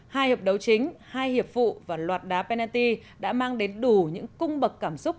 hai hợp đấu chính hai hiệp phụ và loạt đá pennty đã mang đến đủ những cung bậc cảm xúc